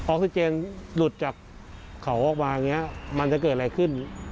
ออกซิเจนหลุดจากเขาออกมาอย่างนี้มันจะเกิดอะไรขึ้น